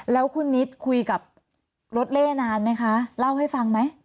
แล้วคุณนิดคุยกับรถเล่นานไหมคะเล่าให้ฟังไหม